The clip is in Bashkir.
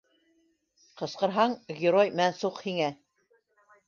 Ҡысҡырһаң - герой мәнсух һиңә!